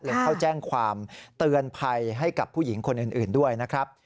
เข้าแจ้งความเตือนภัยให้กับผู้หญิงคนอื่นด้วยนะครับ